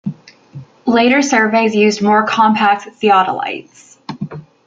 Later surveys used more compact theodolites.